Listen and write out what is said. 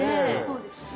そうですよね。